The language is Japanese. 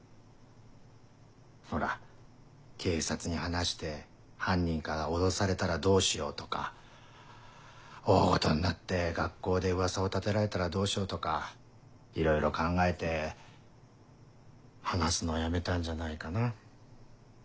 ほら警察に話して犯人から脅されたらどうしようとか大ごとになって学校で噂を立てられたらどうしようとかいろいろ考えて話すのをやめたんじゃないかな。